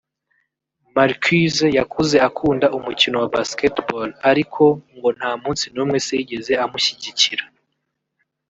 Marquise yakuze akunda umukino wa Basketball ariko ngo nta munsi n'umwe se yigeze amushyigikira